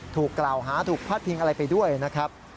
ถูกกล่าวหาถูกพัดพิงอะไรไปด้วยนะครับ